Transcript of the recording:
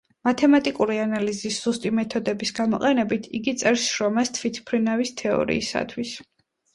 მათემატიკური ანალიზის ზუსტი მეთოდების გამოყენებით იგი წერს შრომას „თვითმფრინავის თეორიისათვის“.